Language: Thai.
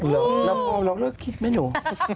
เราลองเริ่มคิดไหมหนู